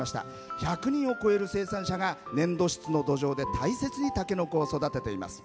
１００人を超える生産者が粘土質の土壌で大切にたけのこを育てています。